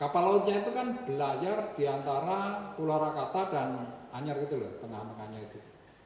kapal lautnya itu kan belayar di antara pulau rakata dan anyer gitu loh tengah tengahnya itu